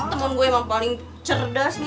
temen gue emang paling cerdas nih